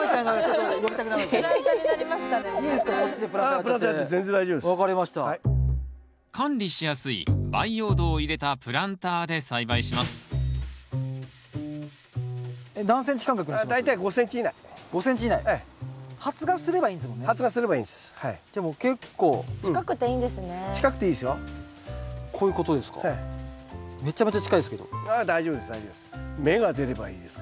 ああ大丈夫です大丈夫です。